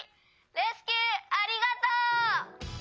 レスキューありがとう！」。